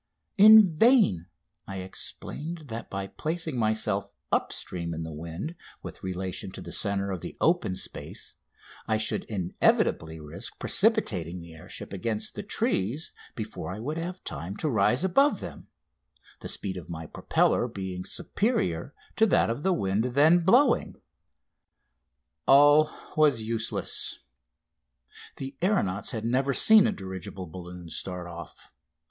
In vain I explained that by placing myself "up stream" in the wind with relation to the centre of the open space I should inevitably risk precipitating the air ship against the trees before I would have time to rise above them, the speed of my propeller being superior to that of the wind then blowing. All was useless. The aeronauts had never seen a dirigible balloon start off.